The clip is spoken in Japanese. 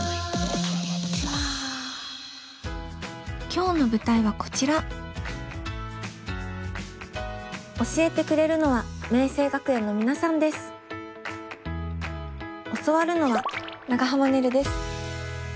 今日の舞台はこちら教えてくれるのは教わるのは長濱ねるです。